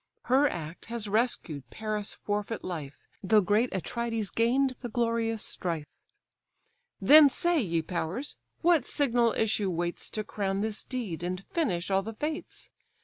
Her act has rescued Paris' forfeit life, Though great Atrides gain'd the glorious strife. Then say, ye powers! what signal issue waits To crown this deed, and finish all the fates!